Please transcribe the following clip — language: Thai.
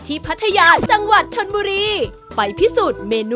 ที่พัทยาชีศาสตร์